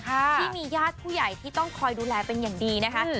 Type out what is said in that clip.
ที่มีญาติผู้ใหญ่ที่ต้องคอยดูแลเป็นอย่างดีนะคะ